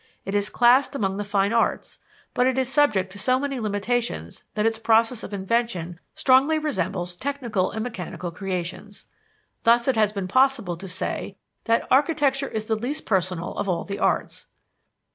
It is classed among the fine arts; but it is subject to so many limitations that its process of invention strongly resembles technical and mechanical creations. Thus it has been possible to say that "Architecture is the least personal of all the arts."